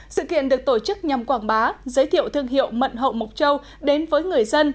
sự kiện được tổ chức nhằm quảng bá giới thiệu thương hiệu mận hậu mộc châu đến với người dân